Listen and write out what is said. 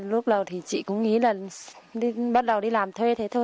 lúc đầu thì chị cũng nghĩ là bắt đầu đi làm thuê thế thôi